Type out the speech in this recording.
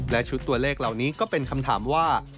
และชุดตัวเลขเหล่านี้ก็เป็นคำถามว่า